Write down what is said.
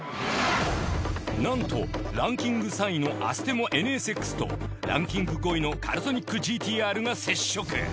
なんとランキング３位のアステモＮＳＸとランキング５位のカルソニックＧＴ−Ｒが接触。